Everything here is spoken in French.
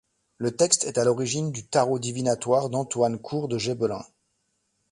Le texte est à l'origine du tarot divinatoire d'Antoine Court de Gébelin.